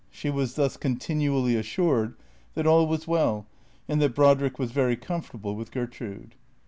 She was thus continually assured that all was well and that Brodrick was very comfortable with Gertrude.